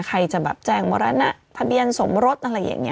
ใครจะแบบแจ้งมรณะทะเบียนสมรสอะไรอย่างนี้